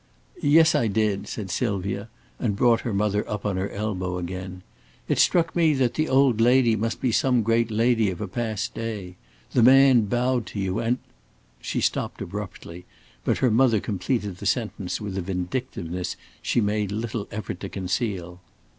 "Yes, I did," said Sylvia, and brought her mother up on her elbow again. "It struck me that the old lady must be some great lady of a past day. The man bowed to you and " She stopped abruptly, but her mother completed the sentence with a vindictiveness she made little effort to conceal.